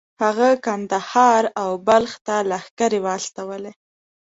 هغه کندهار او بلخ ته لښکرې واستولې.